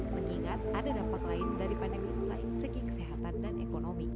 mengingat ada dampak lain dari pandemi selain segi kesehatan dan ekonomi